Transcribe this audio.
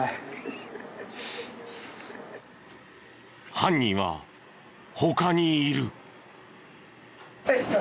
犯人は他にいる。